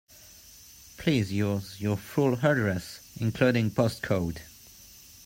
Please use your full address, including postcode